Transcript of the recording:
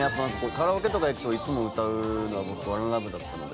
カラオケとか行くといつも歌うのは『ＯｎｅＬｏｖｅ』だったので。